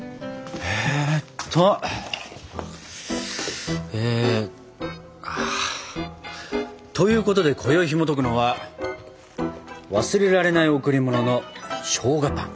えっと。ということでこよいひもとくのは「わすれられないおくりもの」のしょうがパン。